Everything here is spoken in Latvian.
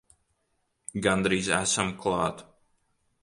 Gandrīz esam klāt!